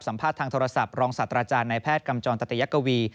สัมภาษณ์ทางโทรศัพท์รองศาสตราจารย์นายแพทย์กำจรตัตยกวี